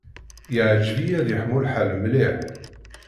Iεǧeb-iyi ad yeḥmu lḥal mliḥ.